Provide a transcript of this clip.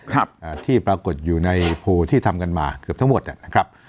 ครับอ่าที่ปรากฏอยู่ในโพลที่ทำกันมาเกือบทั้งหมดอ่ะนะครับ